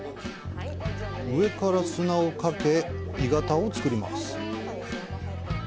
上から砂をかけ、鋳型を作ります。